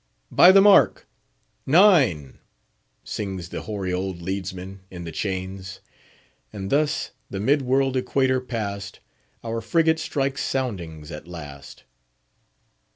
"By the mark, nine!" sings the hoary old leadsman, in the chains. And thus, the mid world Equator passed, our frigate strikes soundings at last.